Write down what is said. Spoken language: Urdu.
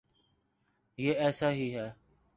یہ ایسا ہی ہے۔